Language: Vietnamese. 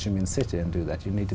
chia sẻ kinh nghiệm của chúng ta